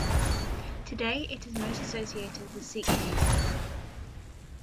Today it is most associated with Sikh music.